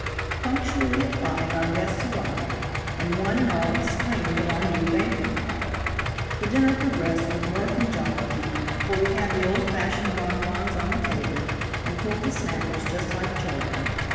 Punctually at five our guests arrived, and one and all exclaimed at our new banqueting hall. The dinner progressed with mirth and jollity, for we had the old fashioned bonbons on the table, and pulled the snappers just like children.